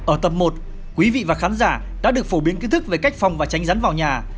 ở tầm một quý vị và khán giả đã được phổ biến kiến thức về cách phòng và tránh rắn vào nhà